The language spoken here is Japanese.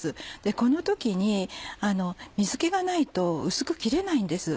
この時に水気がないと薄く切れないんです。